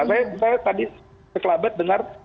saya tadi sekelabat dengar